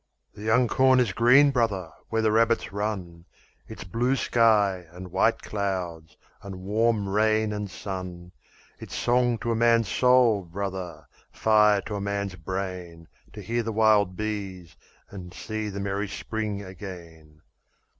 "The young corn is green, brother, where the rabbits run. It's blue sky, and white clouds, and warm rain and sun. It's song to a man's soul, brother, fire to a man's brain, To hear the wild bees and see the merry spring again.